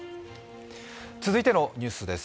続いてのニュースです。